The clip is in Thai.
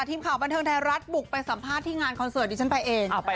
ทีมข่าวบันเทิงไทยรัฐบุกไปสัมภาษณ์ที่งานคอนเสิร์ตดิฉันไปเอง